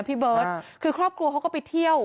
พี่เบิร์ตคือครอบครัวเขาก็ไปเที่ยว